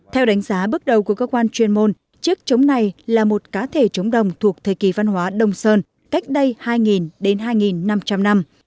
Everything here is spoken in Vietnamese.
theo đánh giá bước đầu của cơ quan chuyên môn chiếc trống này là một cá thể trống đồng thuộc thời kỳ văn hóa đông sơn cách đây hai đến hai năm trăm linh năm